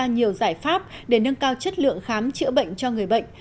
và đưa ra nhiều giải pháp để nâng cao chất lượng khám chữa bệnh cho người bệnh